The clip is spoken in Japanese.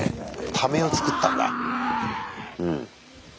ためをつくったんだ。